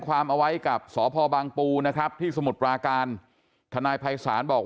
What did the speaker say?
ความเอาไว้กับสพบางปูนะครับที่สมุทรปราการทนายภัยศาลบอก